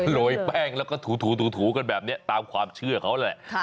โรยแป้งแล้วก็ถูกันแบบนี้ตามความเชื่อเขาแหละ